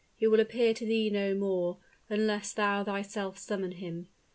He will appear to thee no more, unless thou thyself summon him.